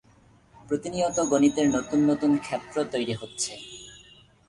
প্রতিনিয়ত গণিতের নতুন নতুন ক্ষেত্র তৈরি হচ্ছে।